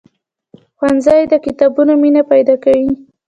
ښوونځی د کتابونو مینه پیدا کوي